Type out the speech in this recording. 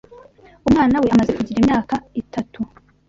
Umwana we amaze kugira imyaka iitatu